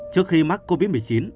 trước khi mắc covid một mươi chín